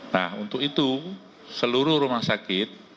nah untuk itu seluruh rumah sakit